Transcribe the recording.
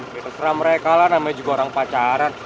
gitu seram mereka lah namanya juga orang pacaran